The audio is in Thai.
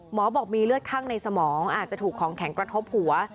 หมอบอกมีเลือดข้างในสมองอาจจะถูกของแข็งกระทบหัว